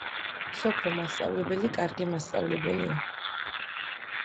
სოფო მასწავლებელი კარგი მასწავლებელია